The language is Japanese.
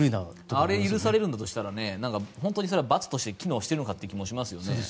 あれ許されるんだとしたら本当に罰として機能してるのかって気がしますね。